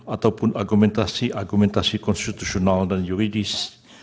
ataupun argumentasi argumentasi konstitusional dan yuridis